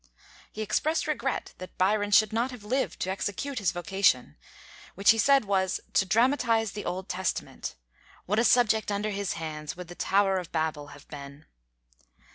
He expressed regret that Byron should not have lived to execute his vocation, which he said was "to dramatize the Old Testament. What a subject under his hands would the Tower of Babel have been!"